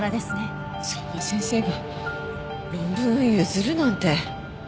そんな先生が論文を譲るなんて。